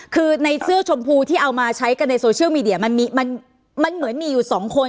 คือในเสื้อชมพูที่เอามาใช้กันในโซเชียลมีเดียมันเหมือนมีอยู่สองคน